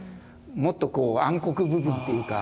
もっとこう暗黒部分っていうか